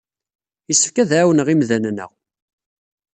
Yessefk ad ɛawneɣ imdanen-a.